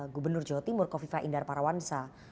gubernur jawa timur kofifa indar parawansa